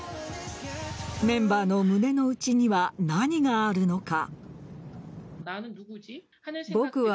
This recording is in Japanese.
メンバーの胸の内には何があるのか。